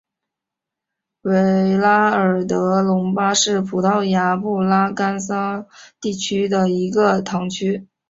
维拉尔德隆巴是葡萄牙布拉干萨区的一个堂区。